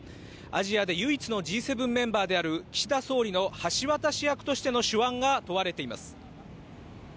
アジアで唯一のＧ７メンバーである岸田総理の橋渡し役としての手腕が問われています。